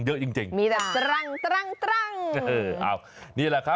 เยอะจริง